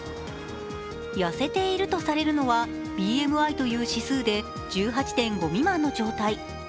痩せているとされるのはＢＭＩという指数で１８．５未満の状態。